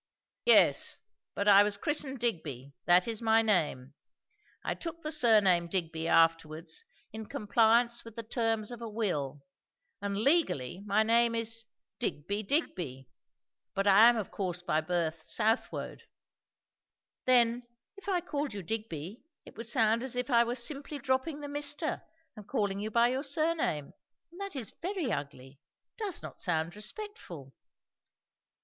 "Yes, but I was christened Digby. That is my name. I took the surname Digby afterwards in compliance with the terms of a will, and legally my name is Digby Digby; but I am of course by birth Southwode." "Then if I called you 'Digby,' it would sound as if I were simply dropping the 'Mr.' and calling you by your surname; and that is very ugly. It does not sound respectful."